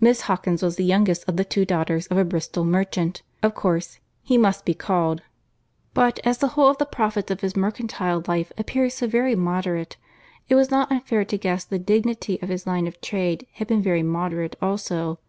Miss Hawkins was the youngest of the two daughters of a Bristol—merchant, of course, he must be called; but, as the whole of the profits of his mercantile life appeared so very moderate, it was not unfair to guess the dignity of his line of trade had been very moderate also.